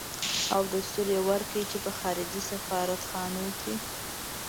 او دستور يې ورکړ چې په خارجي سفارت خانو کې.